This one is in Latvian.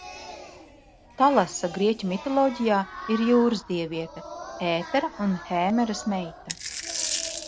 Talasa grieķu mitoloģijā ir jūras dieviete, Ētera un Hēmeras meita.